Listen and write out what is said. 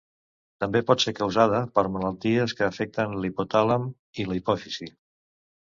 També pot ser causada per malalties que afecten l'hipotàlem i la hipòfisi.